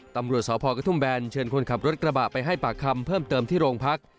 ตำรวจสพกระทุ่มแบนเชิญคนขับรถกระบะไปให้ปากคำเพิ่มเติมที่โรงพัก